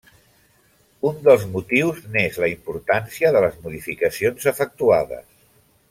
Un dels motius n'és la importància de les modificacions efectuades.